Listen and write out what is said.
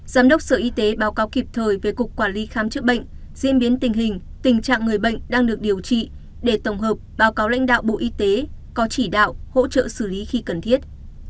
giám đốc sở y tế báo cáo kịp thời về cục quản lý khám chữa bệnh diễn biến tình hình tình trạng người bệnh đang được điều trị để tổng hợp báo cáo lãnh đạo bộ y tế có chỉ đạo hỗ trợ xử lý khi cần thiết